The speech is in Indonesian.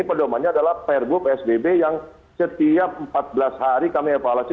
pedomannya adalah perbu psbb yang setiap empat belas hari kami evaluasi